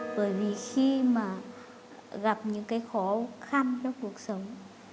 bởi vì khi mà gặp những cái khó khăn trong cuộc sống